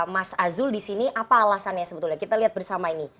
mas azul di sini apa alasannya sebetulnya kita lihat bersama ini